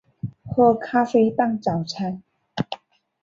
喝咖啡当早餐